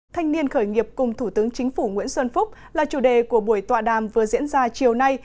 thanh niên khởi nghiệp cùng thủ tướng chính phủ nguyễn xuân phúc là chủ đề của buổi tọa đàm vừa diễn ra chiều nay